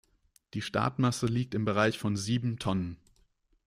Die Startmasse liegt im Bereich von sieben Tonnen.